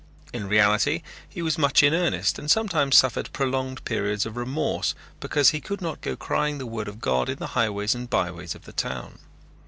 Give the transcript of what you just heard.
In reality he was much in earnest and sometimes suffered prolonged periods of remorse because he could not go crying the word of God in the highways and byways of the town.